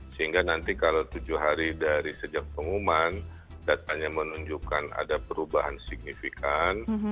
sehingga nanti kalau tujuh hari dari sejak pengumuman datanya menunjukkan ada perubahan signifikan